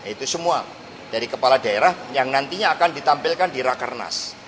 itu semua dari kepala daerah yang nantinya akan ditampilkan di rakernas